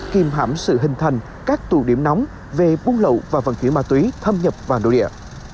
kìm hãm sự hình thành các tù điểm nóng về buôn lậu và vận chuyển ma túy thâm nhập vào nội địa